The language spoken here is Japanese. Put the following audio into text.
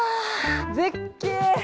絶景！